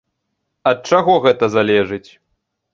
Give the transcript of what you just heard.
Ад чаго гэта залежыць?